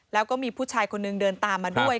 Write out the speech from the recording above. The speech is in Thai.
แล้วก็มีผู้ชายคนนึงเดินตามมาด้วย